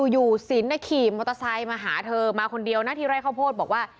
อยู่ศิลป์น่ะขี่มอเตอร์ไซด์มาหาเธอมาคนเดียวนะทีแรกเข้าโพธิบอกว่า